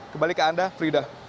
kembali ke anda frida